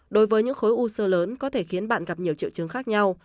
đối với những khối u sơ lớn có thể khiến bạn gặp nhiều triệu chứng khác nhau